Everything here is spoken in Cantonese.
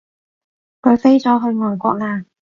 佢飛咗去外國喇